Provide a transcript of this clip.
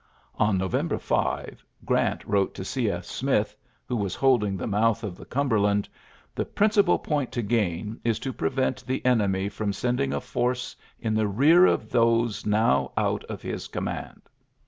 On November 5, Grant wrote to 0. P. Smith, who was holding the mouth • of the Cumberland, ^'The principal point to gain is to prevent the enemy from sending a force in the rear of those now ^ out of his command.